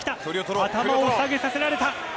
頭を下げさせられた。